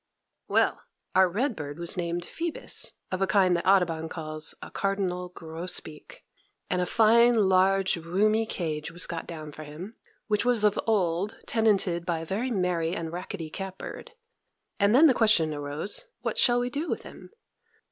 Well, our red bird was named Phoebus, of a kind that Audubon calls a cardinal grossbeak; and a fine, large, roomy cage was got down for him, which was of old tenanted by a very merry and rackety cat bird; and then the question arose, "What shall we do with him?"